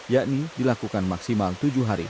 yakni dilakukan maksimal tujuh hari